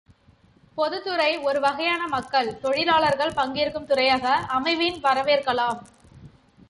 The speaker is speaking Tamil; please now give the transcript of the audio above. பொதுத் துறை ஒருவகையான மக்கள், தொழிலாளர்கள் பங்கேற்கும் துறையாக அமையின் வரவேற்கலாம்.